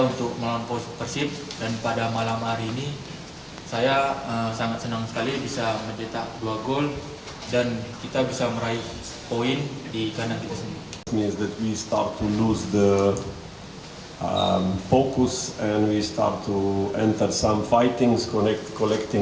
untuk menangkan kemampuan yang sangat penting untuk menangkan kemampuan yang sangat penting